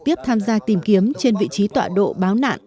tiếp tham gia tìm kiếm trên vị trí tọa độ báo nạn